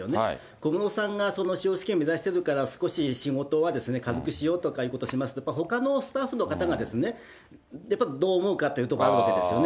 小室さんが司法試験目指してるから、少し仕事は軽くしようとかいうことしますと、やっぱりほかのスタッフの方々がやっぱりどう思うかというところがあるわけですよね、